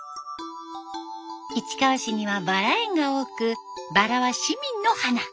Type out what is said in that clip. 市川市にはバラ園が多くバラは市民の花。